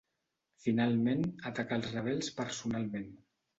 Finalment, atacà els rebels personalment.